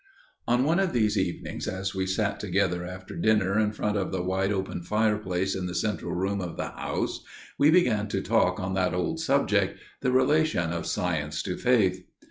_ The Traveller ON one of these evenings as we sat together after dinner in front of the wide open fireplace in the central room of the house, we began to talk on that old subject––the relation of Science to Faith.